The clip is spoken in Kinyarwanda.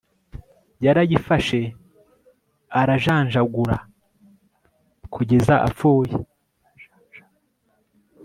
yarayifashe arajanjagura kugeza apfuye